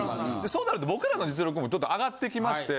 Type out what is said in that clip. そうなると僕らの実力もちょっと上がってきまして。